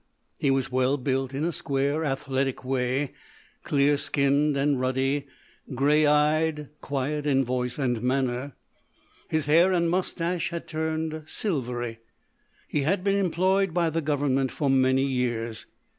He was well built, in a square, athletic way, clear skinned and ruddy, grey eyed, quiet in voice and manner. His hair and moustache had turned silvery. He had been employed by the Government for many years.